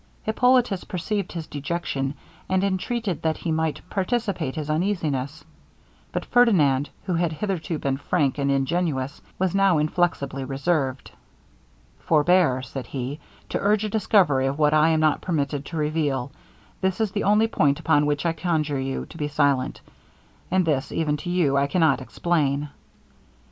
Hippolitus perceived his dejection, and entreated that he might participate his uneasiness; but Ferdinand, who had hitherto been frank and ingenuous, was now inflexibly reserved. 'Forbear,' said he, 'to urge a discovery of what I am not permitted to reveal; this is the only point upon which I conjure you to be silent, and this even to you, I cannot explain.'